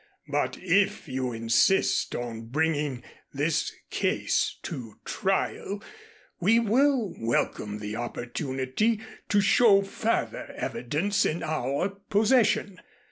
But if you insist on bringing this case to trial, we will welcome the opportunity to show further evidence in our possession.